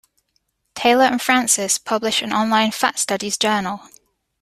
Taylor and Francis publish an online Fat Studies journal.